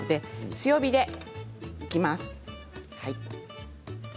強火でいきます。